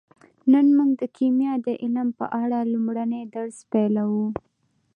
نن موږ د کیمیا د علم په اړه لومړنی درس پیلوو